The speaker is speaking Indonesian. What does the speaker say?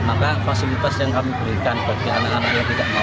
maka fasilitas yang kami berikan bagi anak anak yang tidak mau